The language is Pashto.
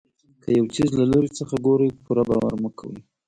که یو څیز له لرې څخه ګورئ پوره باور مه کوئ.